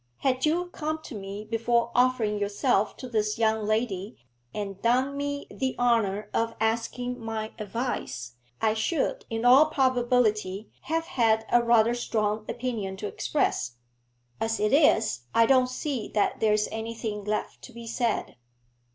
Had you come to me before offering yourself to this young lady, and done me the honour of asking my advice, I should in all probability have had a rather strong opinion to express; as it is, I don't see that there is anything left to be said.'